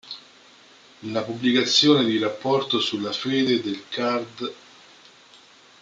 La pubblicazione di "Rapporto sulla fede" del card.